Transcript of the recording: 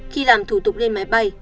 khi làm thủ tục lên máy bay